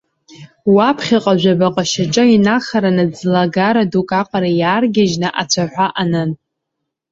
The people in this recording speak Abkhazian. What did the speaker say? Уаԥхьаҟа, жәабаҟа шьаҿа инахараны, ӡлагара дук аҟара иааргьежьны, ацәаҳәа анын.